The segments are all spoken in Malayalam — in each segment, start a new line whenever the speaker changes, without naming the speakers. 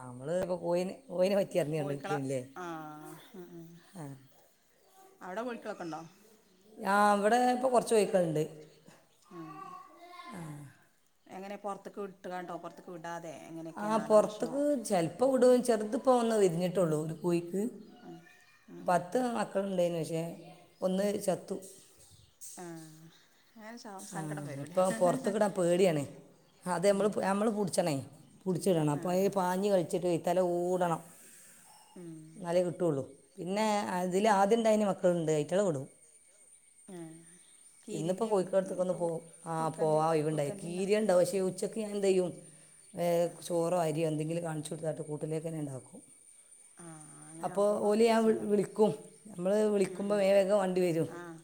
നമ്മള് ഇപ്പോ പോയിന് ഓന് പറ്റിയായിരുന്നു
കോഴിക്കള. ആഹ് ആഹ് അവിടെ കോഴിക്കളൊക്കെ ഒണ്ടോ?
ആഹ് ഇവിടെ ഇപ്പ കൊറച്ച് കോഴിക്കളുണ്ട്.
ആഹ് എങ്ങനെ പൊറത്തേക്ക് വിട്ടുകാട്ടോ പൊറത്തേക്ക് വിടാതെ എങ്ങനെയൊക്കെയാ നാടൻ ഭക്ഷണോ?
ഇപ്പോ വിടു ചെറുതിപ്പോ ഒന്ന് വിരിഞ്ഞിടട്ടെയുള്ളൂ ഒരു കോയി
ഉം ഉം
പത്ത് മക്കളുണ്ടായിനു. പക്ഷേ ഒന്ന് ചത്തു.
ആഹ്
ആഹ് ഇപ്പൊ പൊറത്തേക്ക് വിടാൻ പേടിയാണ്. ആഹ് അതെ
ഉം
നമ്മള് നമ്മള് പുടിച്ചണേ പുടിച്ചിടണം
ആ
അപ്പോൾ ഇത് പാഞ്ഞ് കളിച്ചിട്ട് വരും. തല ഊടണം.
ഉം
എന്നാലേ കിട്ടുള്ളൂ. പിന്നെ അതിൽ ആദ്യം ഇണ്ടയിന മക്കളുണ്ട്. അയ്റ്റളെ വിടും.
അഹ് കീരിന്റേം
അപർതെക്കൊന്നു പോകും ആഹ് പോവാനൊഴിവുണ്ടായി കീരിയാ ഇണ്ടാവും ഉച്ചക്ക് ഞൻ എന്ത് ചെയ്യും? ചോറോ അരിയോ എന്തെങ്കിലും കാണിച്ചു കൊടുതാട്ട് [unintelligible] തന്നെ ഉണ്ടാക്കും
ആ അങ്ങനെ
അപ്പോ
ആക്കുമ്പോൾ
ഓലി ഞാൻ
സുഖമാണ്
വിളിക്കും. നമ്മള്
ഉം
വിളിക്കുമ്പോ
ഉം
വേഗം വേഗം വണ്ടി വരും
ആഹ്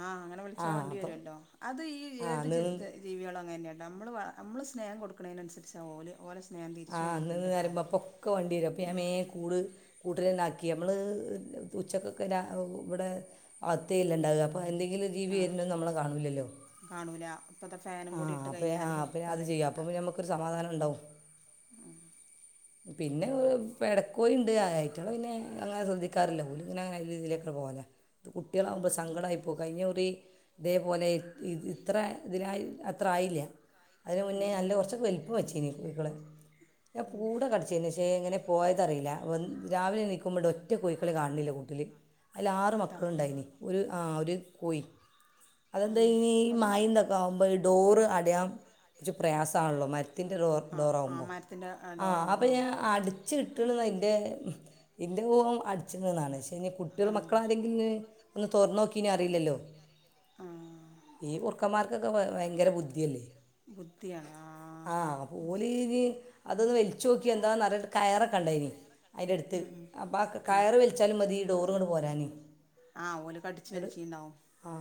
ആഹ് അങ്ങനെ
ആ
വിളിച്ചാ വണ്ടി
അപ്പം
വരുല്ലോ. അത് ഈ
ആ
ഏത്
അന്ന്
ജി
നിന്ന്
ജീവികളും അങ്ങനെയാ നമ്മള് നമ്മൾ സ്നേഹം കൊടുക്കുണെനനുസരിച്ചാണ് ഓല് ഓരെ സ്നേഹം തിരിച്ചു
ആഹ് അന്ന്
നമുക്കുണ്ട് ട്ടോ
[unintelligible] അപ്പൊക്കെ വണ്ടി വരും. അപ്പൊ ഞാൻ മേൻ കൂട് കൂട്ടിലന്നെ ക്കി നമ്മള് ഉച്ചക്കൊക്കെ രാ ഇവിടെ അകത്തല്ലേ ഇണ്ടാവ അപ്പോ എന്തെങ്കിലും ടി വി
ആഹ്
ഇരുന്നു നമ്മളെ കാണില്ലല്ലോ.
കാണൂല ഇപ്പ ഫാനും
ആ
കൂടി ഇട്ട്
അപ്പം ആ
കഴിഞ്ഞാല്
അപ്പം അത്
പറയും
ചെയ്യും അപ്പം
വേണ്ടാ.
പിന്നെ നമുക്കൊരു സമാധാനം ഉണ്ടാവും
[inaudible]
പിന്നെ പെടക്കോയിണ്ട് ആയിട്ടുള്ള പിന്നെ അങ്ങനെ ശ്രദ്ധിക്കാറില്ല ഓല് ഇങ്ങനെ അങ്ങെ രീതിയിലേക്കെ പോലാ കുട്ടികളാകുമ്പ സങ്കടമായിപ്പ കഴിഞ്ഞൂറി ഇതേപോലെ ഇ ഇത്ര ഇതിനായി അത്ര ആയില്ല അതിന് മുന്നേ
ആഹ്
നല്ല കുറച്ചൊക്കെ വൽപ്പം വെച്ചനി കോക്കള ഞാൻ
ഉം
കൂടെ കടിച്ച ചെന്നച്ചേ ഇങ്ങനെ പോയതറിയില്ല രാവിലെ നിക്കുമ്പോഴ ഒറ്റ കോഴക്കൾ കാണുന്നില്ലേ കൂട്ടില് അതിൽ ആറ്
അതാ
മക്കളുണ്ടായിന് ഒരു ആ ഒരു കോഴ അതെന്താ
ആഹ്
ഇനി
എന്നിട്ട്
മായന്ത ആവുമ്പോൾ ഈ ഡോറ് അടയാൻ കുറച്ച് പ്രയാസമാണല്ലോ മര് ത്തിൻ്റെ ഡോർ
ആഹ്
ഡോറ
ആഹ്
ആകുമ്പ
മരത്തിൻ്റെ
ആഹ് അപ്പ
ഡോറാകുമ്പോ
ഞാൻ അടു ചിട്ട് ഇട്ട്ണ് ന്നാണ് ഇന്റെ ഊഹം പച്ചന്നാണ് പക്ഷേ കുട്ടികൾ
ആഹ്
മക്കള ആരെങ്കിലും ഒന്ന് തോർന്ന് നോക്കീ അറില്ലല്ലോ
ആഹ്
ഈ കുർക്കമാർക്കൊക്കെ ഭയങ്കര ബുദ്ധിയല്ലേ
ബുദ്ധിയാണ്
ആഹ്
ഉം
പോലെഞ്ഞ് അതൊന്ന് വലിച്ചു നോക്കി എന്താറ് കയറൊക്കെ ഉണ്ടായിന് അയ്ന്റെടുത്ത്
ഉം
അപ്പം ആ
ഉം
കയറ് വലിച്ചാലും മതിഈ ഡോറിങ്ങട്ട് പോരാാന്
ആഹ് ഓല് കടിച്ച്
എട്
വലിച്ചിണ്ടാവും
ആ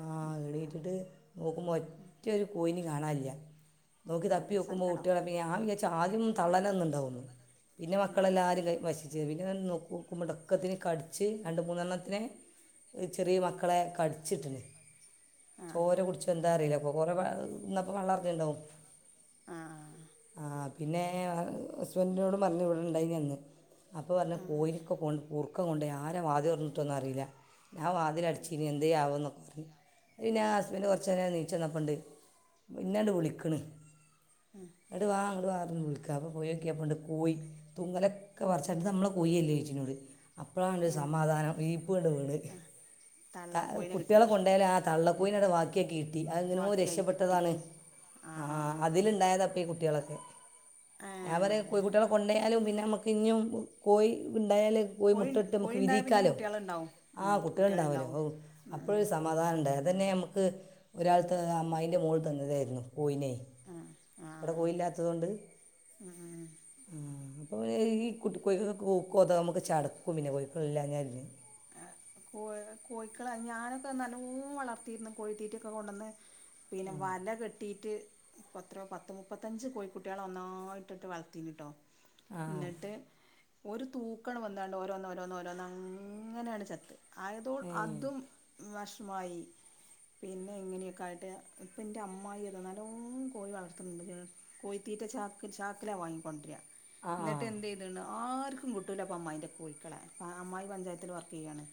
എണ്റ്റിട്ട് നോക്കുമ്പോൾ [unintelligible]
ഉം [unintelligible]
പോയി കാണില്ല നോക്കി
അത്
തപ്പി വെക്കുമ്പോൾ
സങ്കടാവും
കുട്ടികളെ ഞാ വിചാര്ച്ച് ആദ്യം തള്ളലന്നുണ്ടാവുന്നു പിന്നെ മക്കളെല്ലരും വശിച്ചു പിന്നെ ന മുടക്കത്തിന് കടിച്ച് രണ്ട് മൂന്നെണ്ണത്തിനെ ചെറിയ മക്കളെ കടിച്ചിട്ട്ണ്
ആഹ്
ചോര കുടിച്ചു എന്താ അറിയില്ലപ്പൊ കുറെ ഇന്നപ്പോ വള്ളറിഞ്ഞുണ്ടാവും
ആഹ് ആഹ്
ആ പിന്നെ ഹസ്ബന്റിനോട് പറഞ്ഞു ഇവിടെ ഇണ്ടായിനി അന്ന് അപ്പൊ പറഞ്ഞ
ആഹ്
കോയിലൊക്കെ കൊ കുർക്കൻ കൊണ്ട് ആരും ആദ്യംഞ്ഞിട്ടൊന്ന അറിയില്ല ഞാൻതി അടിച്ചി ഇനി എന്തു ചെയയാവുംന്നൊക്കെ പറഞ് അ ഞാൻ ഹസ്ബൻറ് കുറു നേനെ നീച്ച തന്നപ്പണ്ട് പിന്നട് വിളിക്കണ
ഉം
എന്നട്ട് വാ അങ്ങട്ട്ന്ന് വിളിക്ക അപ്പം കോഴോക്കിയ അപ്പ ഉണ്ട് കോയി തുങ്കലൊക്കെ വറച്ചിട്ട് നമ്മളെ കൊയില്ലേ ഏചിനോട് അപ്പോഴാണ് ഒരു
ഉം
സമാധാനം ഈപ്പടെ വീണ്
തള്ള കോഴിനെ കിട്ടി
കുട്ടികളെ കൊണ്ടോൽ ആ തള്ളക്കാക്കിയൊക്കി കിട്ടി അനോ
ബാക്കിയായി കിട്ടി
രക്ഷപ്പെട്ടതാണ്
ഉം ആഹ്
ഇണ്ട കുട്ടിയാളെക്ക
ആഹ്
ഞാ പറയാ
ഏഹ്
കോഴിക്കുട്ടിയളെ കൊണ്ടോയാലും പിന്നെ അമ്മക്ക് പിഞ്ഞും കോഴ ഉണ്ടായാൽ പോയി
കോഴി
മുട്ട ഇട്ട് നമുക്ക്
കോഴിണ്ടായ പിന്നെയും
വിരിക്കാലോ
കുട്ടികളുണ്ടാവും
ആ
ഉം
കുട്ടികള ഉണ്ടാവല്ലോ
കുട്ടികളുണ്ടാവും
ഔ അപ്പഴ
ഉം
ഒരു സമാധാന ഉണ്ട അത് തന്നെ നമുക്ക് ഒരാൾത്ത് അമ്മായിന്റെ മോുകളിൽ തന്നതായിരുന്നു കോയിനെ
ആഹ് ആഹ്
ഇവിടെ കോയില്ലത്തതുകൊണ്ട്
ഉം ഉം
അപ്പം ഈ കുട്ടി കോഴക്കൾ കൊതകം നമുക്ക് ചടക്കും പിന്നെ കോഴക്കള എല്ല ഞ്ഞാൽെ
ആഹ് കോ കോഴിക്കള ഞാനൊക്കെ നല്ലോ വളർത്തിയിരുന്നു കോഴിത്തീറ്റൊക്കെ കൊണ്ടുവന്ന് പിന്നെ വല കെട്ടിയിട്ട് ഇപ്പൾ അത്രയോ പത്ത് മുപ്പത്തഞ്ച് കോഴിക്കുട്ടികളെ ഒന്നായിട്ടിട്ട് വളർത്തിന്ന കേട്ടോ
ആ
എന്നിട്ട് ഒരു തൂക്കണം വന്നാണ്ട് ഓരോന്ന് ഓരോന്ന് ഓരോന്ന് അങ്ങനെയാണ് ചത്ത് ആയതോൾ
ഏ
അതും വിഷമായി പിന്നെ ഇങ്ങനെയൊക്കൊയിട്ട് ഇപ്പ എന്റെ അമ്മായിതല്ലോം കോഴി വളർത്തുന്നുണ്ട് കോയ്ത്തീറ്റ ച ചാക്കിലാ വാങ്ങിക്കൊണ്ടരാ
ആ ആ
എന്നിട്ട് എന്ത് ചെയ്തുണ്ട് ആർക്കും കിട്ടൂല അപ്പൊ അമ്മായിൻന്റെ കോഴിക്കളെ അമ്മയിന്റെ പഞ്ചായത്ത് ത്തിൽ വർക്ക് ചെയ്യണ്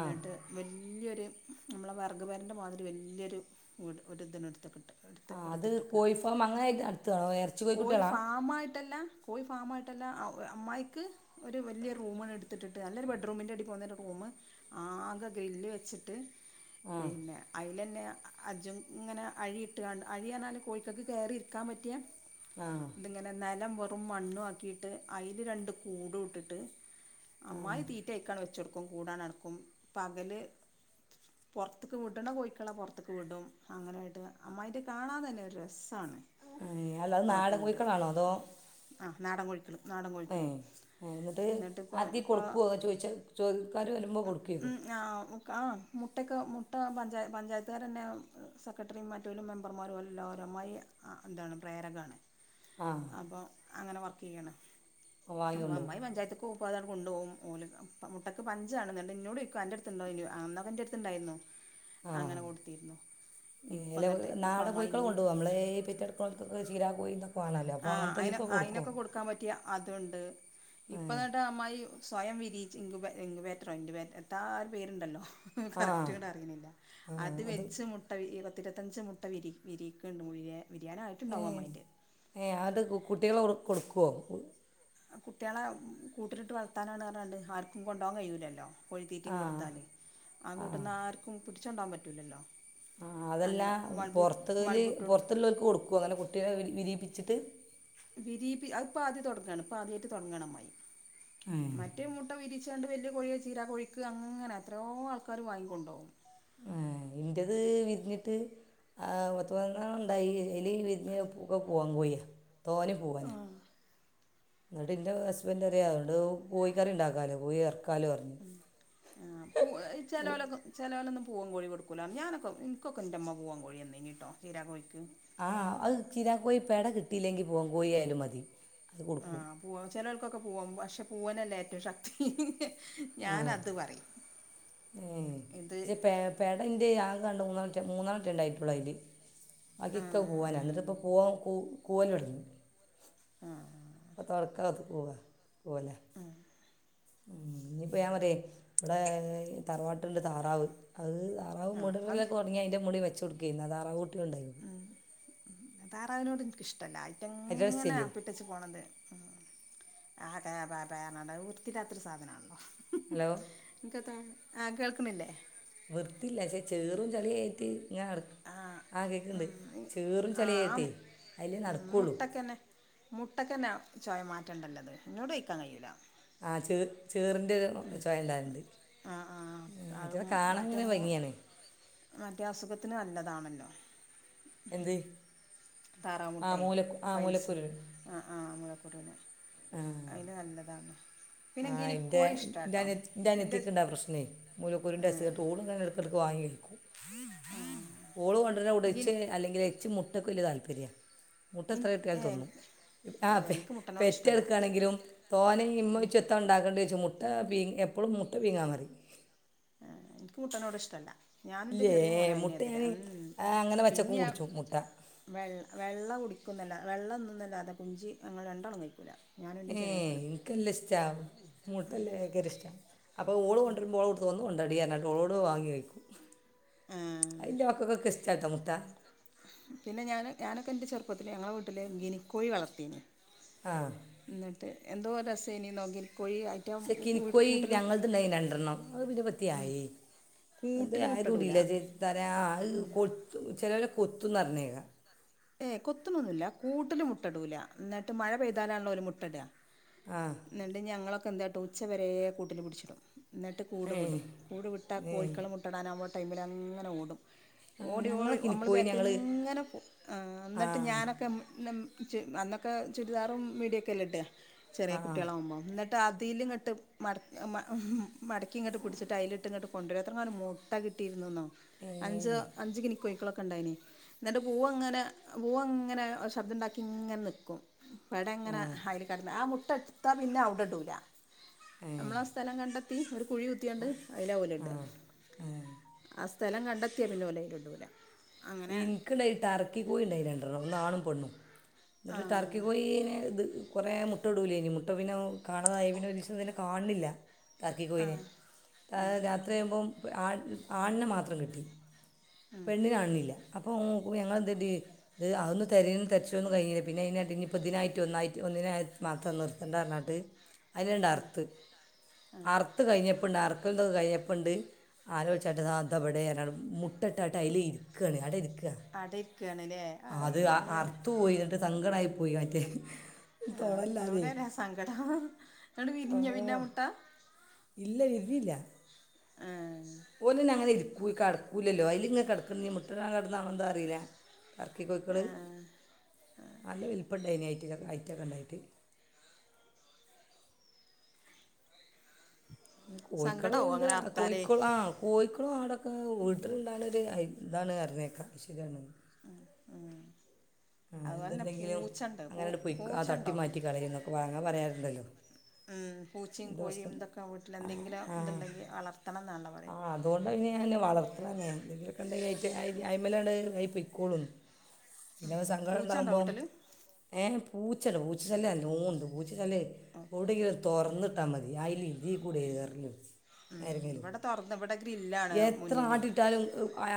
ആ
വലിയൊരു നമ്മളെ വർഗ്ഗഭരൻ്റെ മാതിരി വലിയൊരു വീട് ഒരുരിതനം എടുത്ത കിട്ടും എടുത്ത്
ആ അത്
എടുത്തിട്ടക്ക
കോഴി ഫാം അങ്ങനെ നടത്തുകയാണോ ഇറച്ചി
കോഴി
കോഴിക്കുട്ടികളാ
ഫാമ മയിട്ടല്ല പോയി ഫാമായിട്ടല്ല അമ്മായിയ്ക്ക് ഒരു വലിയ റൂമിണ് എടുത്തിട്ടിട്ട് നല്ലൊരു ബെഡ റൂമിൻ്റെ അടി പോന്നര് റൂമ്ആകെ ഗ്രില്ല് വെച്ചിട്ട്
ആ
പിന്നെ അയിലന്നെ അജ്ജും ഇങ്ങനെ അഴിട്ട് കാണ്ട് അഴി റ്ഞ്ഞാല് കോഴിക്കൾക്ക് കയറിയിരിക്കാൻ പറ്റിയ
ആഹ്
ങ്ങനെ നിലം വെറും മണ്ണും ആക്കിട്ട് അയില് രണ്ട്കൂട് ഇട്ട്ട്ട് അമ്മായി തീ വെച്ചട്ക്കും കൂടാണ്ട് അട്ക്കും പകല് പൊറ്ത്ത്ക്ക് വിട്ണ കോഴിക്കളെ പൊറ്ത്ത്ക്ക് വിടും അങ്ങനെയിട്ട് അമ്മായിൻ്റെ കാണാൻ തന്നെ ഒരു രസ്സാണ്
ഏഹ് അല്ല അഹ് നാടൻ കോഴിക്കളാണോ അതോ
ആഹ് നാടൻ കോഴിക്കള് നാടൻ
ഏ
കോഴിക്കളും ന്നട്ട്പ്പം ഇപ്പം
പ്പ ചോയിച്ച ചോ കാര് വരു
[unintelligible] ആഹ് മുട്ടക്കെ മുട്ട പഞ്ചാ പഞ്ചായത്തുകാര ന്നെ സെക്രട്ടറിം മറ്റോലും മെമ്പർമാരും ഓല എല്ലാരും അമ്മായി ആഹ് എന്താണ് പ്രേര കാണ്
ആഹ്
അപ്പം അങ്ങനെ വർക്ക് യ്യാണ് അപ്പം
വാങ്ങിക്കൊണ്ട് പോകും
അമ്മായി പഞ്ചായത്ത്ക്ക് പോവുമ്പോ അതാണ്ട് കൊണ്ടോകും ഓല് പ്പം മുട്ടക്ക് പഞ്ചാണ് ന്നട്ട് ഇന്നോട് യിക്കും അന്റെ ട്ത്ത്ണ്ടോ ഇലോ അന്നൊക്കെ ഇന്റെ ട്ത്ത് ണ്ടായിന്നു
ആ
അങ്ങനെ കൊടുത്തിരുന്നു ഇപ്പ ന്നട്ട് ഇപ്പപ്പ അമ്മായി ഇന്ന്
നമ്മള് പെറ്റ ടക്ക്ണോൽക്ക് ക്കെ ചീരാ കോയി തക്കെ വാണല്ലോ അപ്പം അങ്ങന് തോല്ക്കൊക്കെ കൊടുക്കും
ക്കാൻ പറ്റിയ അതുണ്ട് ഇപ്പന്നട്ട് അമ്മായി സ്വയം വിരിയിച്ച് ഇങ്ക് ബാ ഇങ്ക്പേറ്ററോ ഇന്റ് എത്താ ആ ഒരു പേരുണ്ടല്ലോ
ആ
കറക്റ്റ്ങ്ങട്ട് അറിയ്ണില്ല അത് വെച്ച് മു ട്ട വിരി പത്തിരുപത്തഞ്ച് മുട്ട വിരി വിരിയിക്ക്ണ്ട് [unintelligible]
ഏ
വിരിയാനായിട്ട്ണ്ടാവും അമ്മായിന്റെ
ഏ അത് കു കുട്ടികളെ കൊടുക്കുവോ
കുട്ടിയാളെ കൂട്ടിലിട്ട് വളർത്താനാണ് പറഞ്ഞാണ്ട് ആർക്കും കൊണ്ടോകാൻ കഴിയൂല്ലല്ലോ കോഴിത്തീറ്റയും
ആ
കൊടുത്താല് ആ കൂട്ട്ന്ന് ആർക്കും പിടിച്ചുണ്ടാവാൻ പറ്റുല്ലല്ലോ
ആ അതെല്ല പുറത്ത്ല്
ബൾബിട്ട് കൊടു
പുറത്തുള്ളവർക്ക് കൊടുക്കോ അങ്ങനെ കുട്ടിയോളെ വിരിയിപ്പിച്ചിട്ട്
വിരീപി അത്പ്പ ആദ്യ തുടങ്ങാണ് ഇപ്പ ആദ്യായിട്ട് തുടങ്ങാണ് അമ്മായി
ഏഹ്
മറ്റേ മുട്ട വിരിച്ചാണ്ട് വല്ലിയ കോഴി ചീരാ കോഴിക്ക് അങ്ങനെ എത്രയോ ആൾക്കാർ വാങ്ങിക്കൊണ്ടോവും
ഏഹ് ഇന്റത് വിരിഞ്ഞിട്ട് ആഹ് പത്ത് പതിനൊന്നണ്ണണ്ടായി അതിലഈ വിരിഞ്ഞ്ഒക്കെ പൂവൻ കോഴിയാ തോനെ പോൂവനാ എന്നിട്ട്ൻ്റെ ഹസ്ബൻ് പറിയാ അതുകൊണ്ട് കോഴി കറി ഉണ്ടാക്കാലോ കോഴി ഇറക്കാലോ പറഞ്ഞു
ആ പൂ ചെലോലൊക്കെ ചെലോലൊന്നും പുവൻകോഴി കൊടുക്കലാ ഞാനൊക്കെ ഇൻക്കൊക്കെ ഇൻ്റെമ്മ പൂവൻ കോഴിയന്നീഞ്ഞിട്ടോ ചീരാ കോഴിക്ക്
ആ അത് ചീരാ കോഴി പെട കിട്ടിയില്ലെങ്കിൽ പൂവൻ കോഴിയായാലും മതി അത്
ആ
കൊടുക്കും
പൂവ ചെലോല്ക്കൊക്കെ പൂവപക്ഷെ പൂവനല്ലേ ഏറ്റവും ശക്തി ഞാാനത് പറയും
ഏഹ്
ഇത്
പക്ഷേ പേ പേടൻ്റെ ആകാണ്ട് മൂന്നാണറ്റെ മൂന്നാണറ്റെ ഉണ്ടായിട്ടുള്ളൂ അതിൽ
ആ
ബാക്കിയൊക്കൊ പൂവനാണ് എന്നിട്ട് ഇപ്പോ പൂവൻ കൂ കൂവൽ തൊട്ങ്ങി
ആഹ്
ഇപ്പ തൊട്ക്കാത്ത് കൂവ കൂവലാ ഉം ഇനിപ്പോ ഞാൻ പറയാ ഇവിടെ തറവാട്ട്ണ്ട് താറാവ് അത് അഹ്
ആ അത്
മുടടെലൊക്കൊ തൊടങ്ങിയാ അയിന്റെ മുടി വെച്ച് കൊട്‌ക്കേര്ന്നു അ തറാവ് കുട്ടി ഉണ്ടായിരുന്നു
ഉം താറാവിനോട് ഇൻക്കിഷ്ടമല്ല ആയിറ്റെ
അതിൻ്റെ
ഇങ്ങനെ
ഇഷ്ടമില്ലേ
അപ്പി ഇട്ടച്ച് പോണത് ആ ക ബാ പറ്ഞ്ഞാണ്ട് വൃത്തില്ലാത്തൊരു സാധനമാണല്ലോ
ഹലോ
അൻക്കെത്താ ആഹ് കേൾക്കണില്ലേ
വൃത്തില്ല ക്ഷേ ചേറും ചളിയായിട്ട് ഇങ്ങനടക്കും ആ കേക്ക്ണ്ട്
ഉം
ചേറും
ആ ആ
ചെളിയായിട്ടേ അയിലെ നടക്കൊള്ളൂ
മുട്ടക്കെന്നാ ചോയ മാറ്റണ്ടല്ലത് ഇന്നോടോയ്ക്കാൻ കഴിയൂല
ആ ച് ചേറിൻ്റെ ഒരു ചോയ ഉണ്ടാകല്ണ്ട്
ആ ആ അത്
അയിറ്റള
മറ്റേ
കാണാൻങ്ങനെ
മോ
ഭംഗിയെണ്
മറ്റേ അസുഖത്തിനു നല്ലതാണല്ലോ
എന്ത് ആമൂലകു ആമൂലക്കുരു
ആഹ് ആഹ് മൂലക്കുരുന്
ആഹ്
അയിന് നല്ലതാണ്
ആ ൻ്റെ
ഗിനിക്കോഴി ഇഷ്ടാട്ടോ
ന്റനിയത്തി
എൻ്റെ
ന്റനിയത്തിക്ക് ണ്ടാ പ്രശ്നേ മൂലക്കുരുൻ്റെ അസുഗട്ട് ഓളുങ്ങനെ എട്ക്ക് വാങ്ങി കഴിക്കും. ഓള് കൊണ്ടര്ന എവ്ടെ
ഗിനി
ച്ച് അല്ലെങ്കിലെ ച്ച് മു തൊക്കെ ല്ല്യ താല്പര്യ മുട്ട എത്ര കിട്ടിയാലും തിന്നും ആ പെ
എനിക്ക് മുട്ടനോട്
പെറ്റ്
ഇഷ്ടമല്ല
കെടക്ക്കാണെങ്കിലും തോനയിമ്മു ഉണ്ടാക്കേണ്ടിവെച്ചു മുട്ട എപ്പോളും മുട്ട [unintelligible]
ആഹ് എനിക്ക് മുട്ടനോട് ഇഷ്ടല്ല ഞാനുന്റെ
ഇല്ലേ
ചെറിയ
മുട്ട
മോനുഅയിനെതിരാ
ഞാൻ
ഉം
ആ, അങ്ങനെ വച്ചക്കും
പിന്യാ
കുടിച്ചു മുട്ട
വെള്ള വെള്ള കുടിക്കുന്നല്ലാത് വെള്ളതിന്നുംന്നല്ലാതെ കുഞ്ചി ഞങ്ങൾ രണ്ടാളും കയിക്കൂല്ല
ഏഹ് എനിക്കെല്ലിഷ്ട മുട്ടല്ലാം ഭയങ്കര ഇഷ്ട അപ്പൊ ഓള് കൊണ്ടരുമ്പോ ഓള് [unintelligible] കൊണ്ടടിയാനായിട്ട് ഓളോട് വാങ്ങി വയ്ക്കും [unintelligible] മക്കക്കൊക്കെ ഇഷ്ട ട്ടോ മുട്ട
പിന്നെ ഞാന് ഞാനൊക്കെ ൻ്റെ ചെറുപ്പത്തിലെ ഞങ്ങളെ വീട്ടില് ഗിനി ക്കോഴി വളർത്തിന്
ആഹ്
ന്നിട്ട് എന്തോ രസേനി നോക്കി കോഴിയാ
ശെ കിനിക്കോയി ഞങ്ങള്ത്ണ്ടായി രണ്ടെണ്ണം അത് പിന്നെ വെർതെയായി അതെ
കൂട്ടിൽ മുട്ടടൂല
ആയതൂടില്ല [unintelligible] കൊത്തു ചിലവരെ കൊത്തുന്ന് പറഞ്ഞേക്ക
ഏഹ് കൊത്തുണൊന്നുല്ല കൂട്ടില്മുട്ട ഇടൂല ന്നിട്ട് മഴ പെയ്താലാണല്ലോ ഓര് മുട്ടഇട
ആഹ്
ന്നിട്ട് ഞങ്ങളൊക്കെ എന്ത്‌ കാട്ടു ഉച്ചവരേ കൂട്ടില് പിടിച്ചിടും ന്നിട്ട് കൂടു
ഏ
വിടും കൂടു വിട്ടാ
ഏ
കോഴിക്കള മുട്ടടാനാവുന്ന ടൈമില് അങ്ങനെ ഓടും
ആ
ഓടി ഓടി
ഞങ്ങളൊക്കെ ഇനി
നമ്മള്
കോഴി ഞങ്ങൾ
ബേക്കിലിങ്ങനെ പോ ആ
ആ
ന്നട്ട് ഞാനൊക്കെ [unintelligible] ച അന്നൊക്കെ ചുരിദാറും മിഡിയൊക്കെയല്ലേ ഇടാ ചെറിയ
ആ
കുട്ടികളാകുമ്പോ ന്നട്ട് ട്ടതിലിങ്ങട്ട് മട മട മടക്കി ഇങ്ങട്ട് പിടിച്ചിട്ട് അയിലിട്ട് ഇങ്ങട്ട് കൊണ്ടുരും ത്രങ്ങാനും [unintelligible] മുട്ട കിട്ടിയിരുന്നുന്നോ
ഏ
അഞ്ച് അഞ്ച് ഗിനി കോഴിക്കളൊക്കെ ഉണ്ടായിന് എന്നിട്ട് പൂവ ഇങ്ങനെ പൂവ ഇങ്ങനെ ശബ്ദംണ്ടാക്കി ഇങ്ങനെ നിക്കും പെട ഇങ്ങനെ അയില് കെടന്ന് ആ മുട്ട എടുത്താ പിന്നെ അവുടെ ഇടുല
ഏ
നമ്മള സ്ഥലം കണ്ടെത്തി ഒരു കുഴി കുത്തിയണ്ട് അയില ഓല്
ആ
ഇട്അ
ഏ
ആ സ്ഥലം കണ്ടെത്തിയ പിന്നോലയിലിടു ല
ഇനിക്ക്ണ്ടായി ടറക്കി കോയിണ്ടായി രണ്ടണ്ണം ഒന്നാണും പെണ്ണും
ആ
ന്നിട്ട് ടർക്കി കോഴീനെ ഇത് കുറെ മുട്ട ഇടുലേനി മുട്ട പിന്ന കാണാതായി പിന്നെ ഒരീസം ഇതിനെ കാണുന്നില്ല ടർക്കി
ആ
കോയിനേം
ആ
രാ [unintelligible] ആണ്ആണിന മാത്രം കിട്ടി
ഉം
പെണ്ണിന കാണ്ന്നില്ല അപ്പൊ [unintelligible] ഇത് ആ ന്ന് തെരയു തെരച്ചൊന്നും കഴിഞ്ഞില്ല പിന്നെ അതിനട്ട് ഇനിപ്പതിനായിട്ട് ഒന്നായി ഒന്നിനായി മാത്രം നിർ എന്താർന്നട്ട് അതിനണ്ട്
ആ
അർത്ത്
ആ
അർ ത്ത് കഴിഞ്ഞപ്പുണ്ട് അറക്കലണ്ടൊത് കഴിഞ്ഞപ്പ്ണ്ട് ആലോയിച്ചായിട്ട് അതവിടെ [unintelligible] മുട്ടട്ട് അടയ്ല് ഇര്ക്കണ് അട ഇര്ക്കുക
അട ഇരിക്കാണ് ല്ലേ? അഹ്
[unintelligible] സങ്കടായി പോയി മറ്റേ
ആഹ്
തൊടല്ലാതെ
[unintelligible] സങ്കടം ന്നിട്ട്
ഓ
വിരിഞ്ഞ പിന്നാമുട്ട
ഇല്ല വിരിഞ്ഞില്ല
ആഹ്
ഓര്ത് ന്ന അങ്ങനെ ഇരിക്കൂ കെടക്കൂലല്ലോ അയിലിങ്ങ കിടക്കുന്നീ മുട്ടടാൻ കെടന്നാണോന്തോ അറിയില്ല ടർക്കി കോഴിക്കള്
ആ
നല്ല വലിപ്പം ഉണ്ടായിന് ഐറ്റം ഐറ്റൊക്കെ ഉണ്ടായിരുന്നു കോഴിക്കള്
സങ്കടാവും
എന്ത്
അങ്ങനെ അർത്താലേ
കോഴിക്കോളാം കോഴിക്കളും അവിടൊക്കെ വീട്ടിലുണ്ടാകുന്നത് ഇതാണ് അരുന്നേക്കാം ശരിയാണ്
ഉം ഉം അതുപോലെ തന്നെ
എന്തുണ്ടെങ്കിലും
പൂച്ചണ്ട് പൂ
അങ്ങനെ പോയി ആ തട്ടി
പൂച്ചണ്ടോ?
മാറ്റി കളയുന്നൊക്കെ വാങ്ങാൻ പറയാറുണ്ടല്ലോ
ഉം പൂച്ചയും
എന്ത്
കോഴിയും
പ്രശ്നം
ഇതൊക്കെ വീട്ടിൽ
ആ
എന്തെങ്കിലും
ആ
ഇതുണ്ടെങ്കിൽ വളർത്തണം എന്നാണ്
ആ
പറയുന്നത്.
അതുകൊണ്ടാണ് പിന്നെ ഞാൻ വളർത്തണ [unintelligible] എലക്കെണ്ടെ അയ്മലാണ്ഇക്കോളന്ന് പിന്നെ ഒരു സങ്കടം
പൂച്ചണ്ടോ
ഉണ്ടാവുമ്പോം
വീട്ടില്
ഏ പൂച്ചട പൂച്ചല്ലൃം അല്ലൂ ഉണ്ട് പൂച്ച ചല്ല
ഉം
കൂടെങ്കും തൊറന്നിട്ട് പത്താൽ മതി അതിലിതിക്കൂടെ എറങ്ങിവരും ആരെങ്കിലും
തുറന്നിവിടെ ഗ്രില്ലാ
എത്ര ആട്ടിട്ടാലും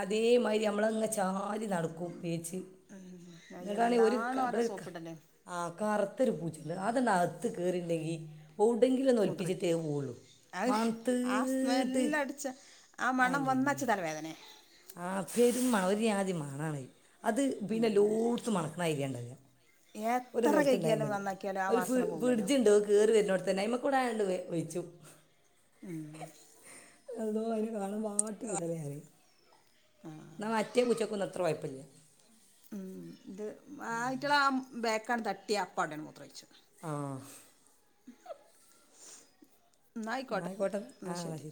അതേമാതിരി നമ്മളങ്ങ് ചാരി നടക്കും വേച്ച്
ഉം എന്താണോ അവടെ
ക-
സോപ്പിടല്ല്
ആ കറുത്തൊരു പൂച്ചയുണ്ട് അതൊന്നു അകത്ത് കയറിയുണ്ടെങ്കിൽ കൂടെങ്കിലും ഒന്ന്
മൂത്രം
ഒളിപ്പിച്ചിട്ടേ പോവുകയുള്ളു
അഹ് ആ
മണത്തീട്ട്
സ്മെല്ലടിച്ച ആ മണം വന്നാച്ചാ തലവേദനയാ
ആ പെരു ഒരു ജാതി മണാണേ അത്
ഉം
പിന്നെ ലോട്സ് മണക്കണായിരിക്കേണ്ടല്ലോ ഒരു
എത്ര
സ്ഥലത്തുണ്ടായാ
കഴുകിയാലും
മതി.
നന്നാക്കിയാലും ആ
ഒരു
വാസന
ഫ്രിഡ്
പോകൂലല്ലോ
ഫ്രിഡ്ജ് ഉണ്ട് അതു കേറി വരുന്നടത്ത്തന്നെ കൂടാണ്ട് വെ വെച്ചു
ഉം
അതോ അതിനെ കാണുമ്പോ ആട്ടിവിടുകയായി.
ആഹ്
എന്നാ മറ്റേ പൂച്ചയ്ക്ക് ഒന്നും അത്ര കുഴപ്പമില്ല
ഉം ഇത് ആയിട്ടുള്ള ബാക്കാണ് തട്ടി അപ്പം അവിടെ മൂത്രം ഒഴിച്ചുവെക്കും
ആഹ് എന്നാൽ
എന്നായിക്കോട്ടെ
ആയിക്കോട്ടെ ആ
എന്നാ
എന്നാൽ
ശരി